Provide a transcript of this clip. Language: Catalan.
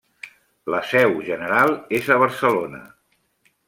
La seu general és a Barcelona.